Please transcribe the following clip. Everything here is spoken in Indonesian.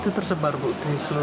itu tersebar di seluruh